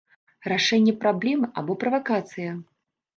Рашэнне праблемы або правакацыя?